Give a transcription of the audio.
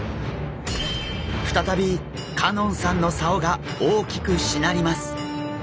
再び香音さんの竿が大きくしなります。